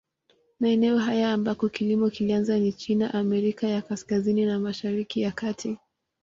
Maeneo haya ambako kilimo kilianza ni China, Amerika ya Kaskazini na Mashariki ya Kati.